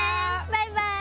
バイバイ！